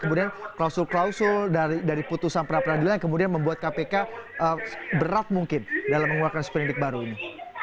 kemudian klausul klausul dari putusan pra peradilan yang kemudian membuat kpk berat mungkin dalam mengeluarkan seperindik baru ini